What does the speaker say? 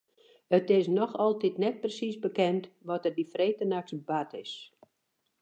It is noch altyd net presiis bekend wat der dy freedtenachts bard is.